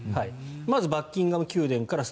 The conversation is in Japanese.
まずバッキンガム宮殿からです。